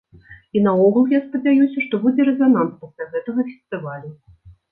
І наогул, я спадзяюся, што будзе рэзананс пасля гэтага фестывалю.